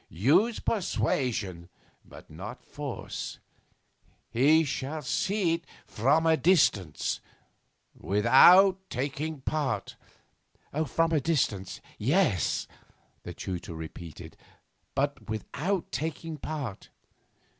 Use persuasion, but not force. He shall see it from a distance without taking part.' 'From a distance yes,' the tutor repeated, 'but without taking part.